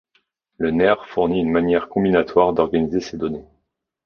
Le nerf fournit une manière combinatoire d'organiser ces données.